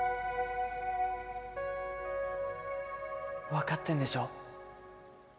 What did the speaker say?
分かってんでしょ。